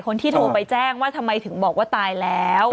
คนที่โทรไปแจ้งว่าทำไมถึงบอกว่าตายแล้ว